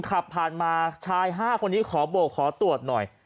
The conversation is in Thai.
ขับผ่านมาชาย๕คนนี้ขอโบกขอตรวจหน่อย